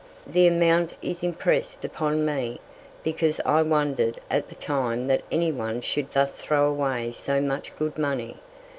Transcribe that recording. The amount is impressed upon me, because I wondered at the time that anyone should thus throw away so much good money.